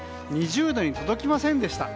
２０度に届きませんでした。